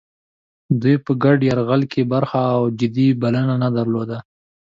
دوی په ګډ یرغل کې برخه او جدي بلنه نه درلوده.